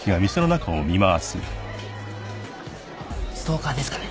ストーカーですかね？